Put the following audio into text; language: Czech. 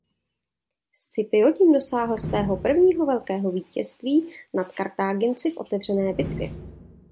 Scipio tím dosáhl svého prvního velkého vítězství nad Kartáginci v otevřené bitvě.